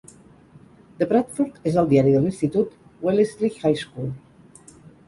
The Bradford és el diari de l'institut Wellesley High School.